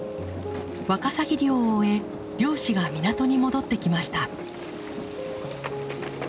ワカサギ漁を終え漁師が港に戻ってきました。